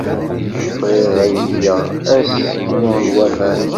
Bɣiɣ ad geɣ aski n waman.